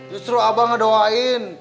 justru abah ngedoain